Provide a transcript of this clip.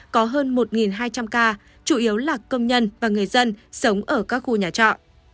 có hơn một hai trăm linh ca chủ yếu là công nhân và người dân sống ở các khu nhà trọ